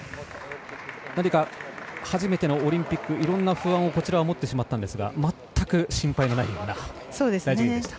何か、初めてのオリンピックいろんな不安をこちらは持ってしまったんですが全く心配はなかった。